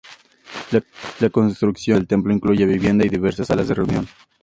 La construcción, además del templo, incluye vivienda y diversas salas de reunión.